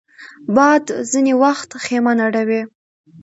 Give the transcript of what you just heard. باد ځینې وخت خېمه نړوي